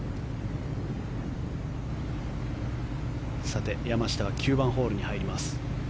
さて、山下は９番ホールに入ります。